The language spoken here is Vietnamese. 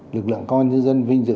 lực lượng công an nhân dân vinh dự